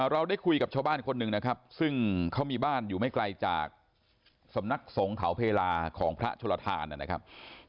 เราได้คุยกับชาวบ้านคนหนึ่งนะครับซึ่งเขามีบ้านอยู่ไม่ไกลจากสำนักสงฆ์เขาเพลาของพระชลทานนะครับ